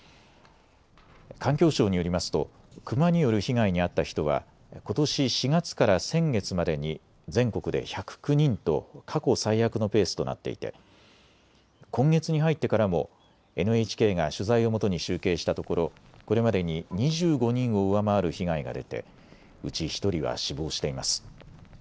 環境省によりますとクマによる被害に遭った人はことし４月から先月までに全国で１０９人と過去最悪のペースとなっていて今月に入ってからもＮＨＫが取材をもとに集計したところ、これまでに２５人を上回る被害が出てうち１人は死亡しています。